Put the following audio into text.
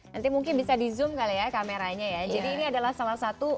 nanti mungkin bisa di zoom kali ya kameranya ya jadi ini adalah salah satu